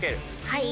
はい。